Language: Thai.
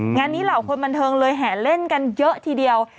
งานนี้เหล่าคนบันเทิงเลยแห่เล่นกันเยอะทีเดียว